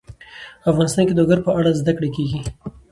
افغانستان کې د لوگر په اړه زده کړه کېږي.